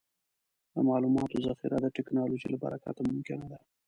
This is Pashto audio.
د معلوماتو ذخیره د ټکنالوجۍ له برکته ممکنه ده.